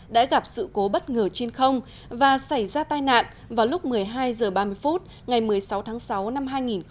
đã gặp sự cố bất ngờ trên không và xảy ra tai nạn vào lúc một mươi hai h ba mươi phút ngày một mươi sáu tháng sáu năm hai nghìn hai mươi